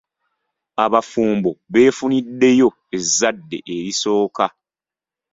Abafumbo beefuniddeyo ezzadde erisooka.